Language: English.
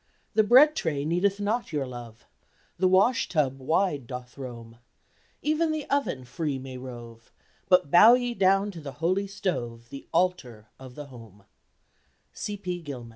The bread tray needeth not your love; The wash tub wide doth roam; Even the oven free may rove; But bow ye down to the Holy Stove, The Altar of the Home!